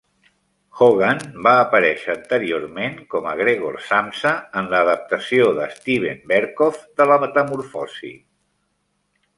Hogan va aparèixer anteriorment com a Gregor Samsa en l'adaptació de Steven Berkoff de "La Metamorfosi".